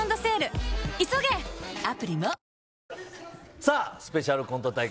さあ、スペシャルコント対決。